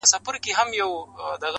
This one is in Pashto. o اوس مي د زړه كورگى تياره غوندي دى.